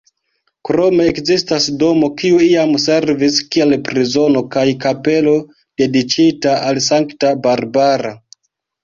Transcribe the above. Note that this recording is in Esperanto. Krome ekzistas domo, kiu iam servis kiel prizono, kaj kapelo dediĉita al Sankta Barbara.